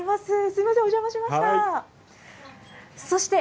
すみません、お邪魔しました。